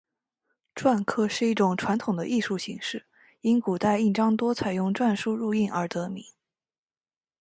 篆刻是一种传统的艺术形式，因古代印章多采用篆书入印而得名。